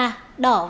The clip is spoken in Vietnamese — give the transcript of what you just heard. đỏ và đỏ đẹp